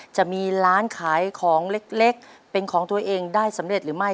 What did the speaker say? จะมีร้านขายของเล็กเป็นของตัวเองได้สำเร็จหรือไม่